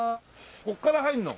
ここから入るの？